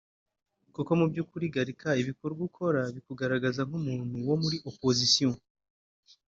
kuko mu by’ukuri Gallican ibikorwa ukora bikugaragaza nk’umuntu wo muri opposition